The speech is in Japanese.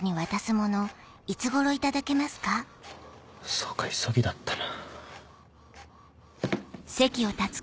そうか急ぎだったな。